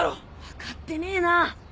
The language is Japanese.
分かってねえな。